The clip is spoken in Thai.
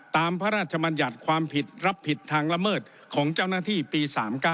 ตามพระราชมัญญัติความผิดรับผิดทางละเมิดของเจ้าหน้าที่ปี๓๙